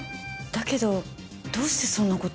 だけどどうしてそんな事を？